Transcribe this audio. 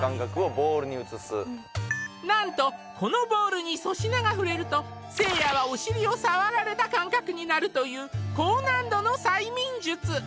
なんとこのボールに粗品が触れるとせいやはになるという高難度の催眠術